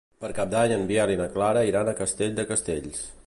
Per Cap d'Any en Biel i na Clara iran a Castell de Castells.